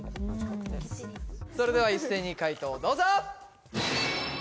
それでは一斉に解答をどうぞ！